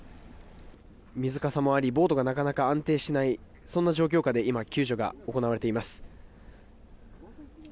水かさもありボートがなかなか安定しないそんな状況下で今、救助が行われています。